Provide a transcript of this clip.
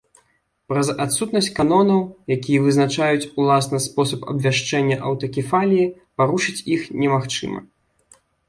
Праз адсутнасць канонаў, якія вызначаюць уласна спосаб абвяшчэння аўтакефаліі, парушыць іх немагчыма.